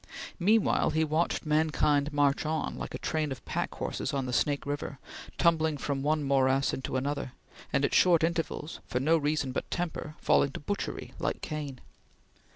Meanwhile he watched mankind march on, like a train of pack horses on the Snake River, tumbling from one morass into another, and at short intervals, for no reason but temper, falling to butchery, like Cain.